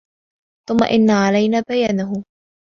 ثُمَّ إِنَّ عَلَينا بَيانَهُ